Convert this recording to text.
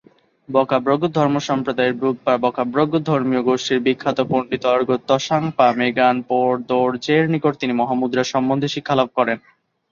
ব্কা'-ব্র্গ্যুদ ধর্মসম্প্রদায়ের 'ব্রুগ-পা-ব্কা'-ব্র্গ্যুদ ধর্মীয় গোষ্ঠীর বিখ্যাত পণ্ডিত র্গোদ-ত্শাং-পা-ম্গোন-পো-র্দো-র্জের নিকট তিনি মহামুদ্রা সম্বন্ধে শিক্ষালাভ করেন।